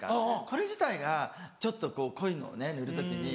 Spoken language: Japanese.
これ自体がちょっと濃いのね塗る時に。